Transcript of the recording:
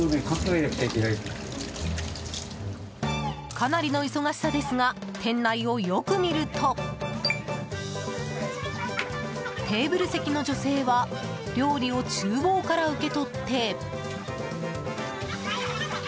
かなりの忙しさですが店内をよく見るとテーブル席の女性は料理を厨房から受け取って。